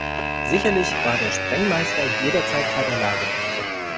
Sicherlich war der Sprengmeister jederzeit Herr der Lage.